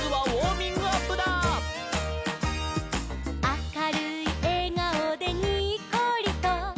「あかるいえがおでにっこりと」